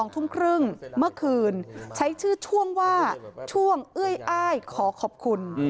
๒ทุ่มครึ่งเมื่อคืนใช้ชื่อช่วงว่าช่วงเอ้ยอ้ายขอขอบคุณ